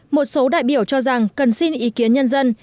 một số đại biểu cho rằng cần xin ý kiến nhân dân